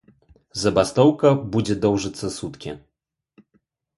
Забастоўка будзе доўжыцца суткі.